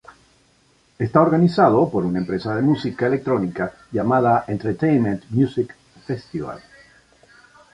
Está organizado por una empresa de música electrónica llamada Entertainment music festival.